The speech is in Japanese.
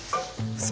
そう。